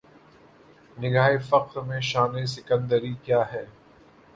نگاہ فقر میں شان سکندری کیا ہے